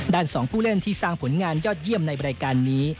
๒ผู้เล่นที่สร้างผลงานยอดเยี่ยมในรายการนี้